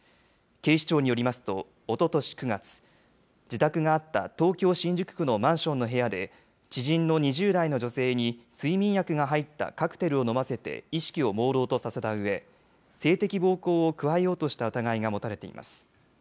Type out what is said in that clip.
警視庁によりますと、おととし９月、自宅があった東京・新宿区のマンションの部屋で、知人の２０代の女性に睡眠薬が入ったカクテルを飲ませて意識をもうろうとさせたうえ、性的暴行を加えようとした疑いが持たれています。